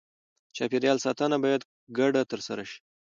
چاپېریال ساتنه باید ګډه ترسره شي.